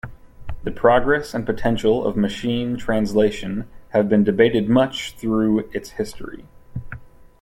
The progress and potential of machine translation have been debated much through its history.